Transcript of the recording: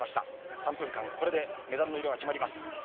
３分間、これでメダルの色が決まります。